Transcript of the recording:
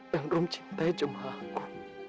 dan rom cintanya cuman aku